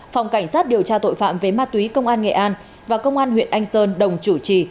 phòng cảnh sát điều tra tội phạm về ma túy công an nghệ an và công an huyện anh sơn đồng chủ trì